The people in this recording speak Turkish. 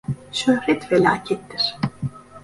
Şöhret felakettir.